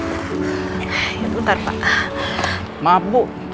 kita seperti pengakhirkan cadangan punya orang ya